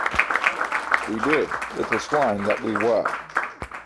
We did, little swine that we were.